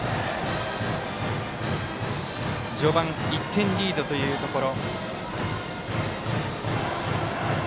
序盤、１点リードというところ。